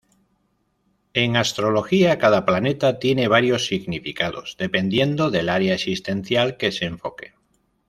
En astrología cada planeta tiene varios significados, dependiendo del área existencial que se enfoque.